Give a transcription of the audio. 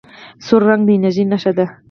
سور رنګ د انرژۍ نښه ده.